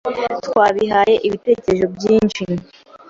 Twabihaye ibitekerezo byinshi.